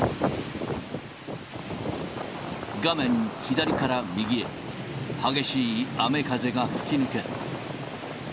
画面左から右へ、激しい雨風が吹き抜ける。